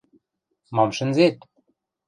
Мам шӹнзет?